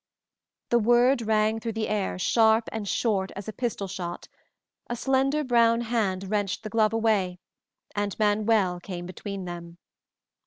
The word rang through the air sharp and short as a pistol shot, a slender brown hand wrenched the glove away, and Manuel came between them.